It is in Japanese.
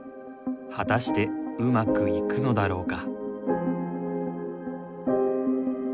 果たしてうまくいくのだろうか。